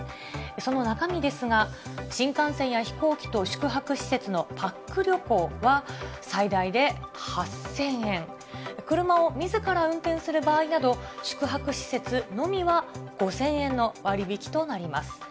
その中身ですが、新幹線や飛行機と宿泊施設のパック旅行は、最大で８０００円、車をみずから運転する場合など、宿泊施設のみは５０００円の割引となります。